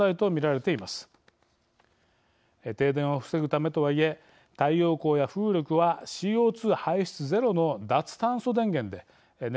停電を防ぐためとはいえ太陽光や風力はＣＯ２排出ゼロの脱炭素電源で燃料もただです。